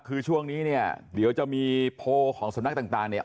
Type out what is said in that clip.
คือช่วงนี้เนี่ยเดี๋ยวจะมีโพลของสำนักต่างเนี่ย